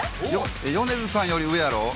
米津さんより上やろ？